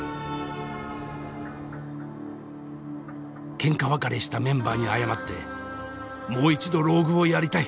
ケンカ別れしたメンバーに謝ってもう一度ＲＯＧＵＥをやりたい。